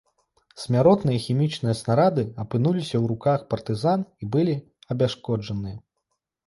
Смяротныя хімічныя снарады апынуліся ў руках партызан і былі абясшкоджаныя.